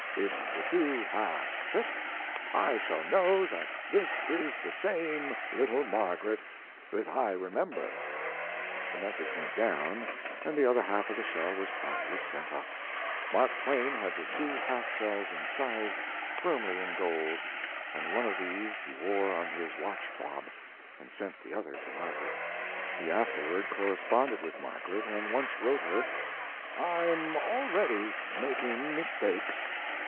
If the two halves fit, I shall know that this is the same little Margaret that I remember." The message went down, and the other half of the shell was promptly sent up. Mark Twain had the two half shells incised firmly in gold, and one of these he wore on his watch fob, and sent the other to Margaret. He afterward corresponded with Margaret, and once wrote her: I'm already making mistakes.